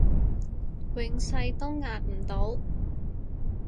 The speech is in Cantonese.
永世都壓唔到